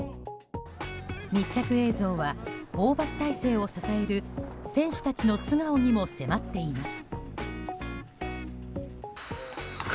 密着映像はホーバス体制を支える選手たちの素顔にも迫っています。